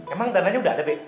emang dananya udah ada